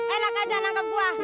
enak aja nangkep buah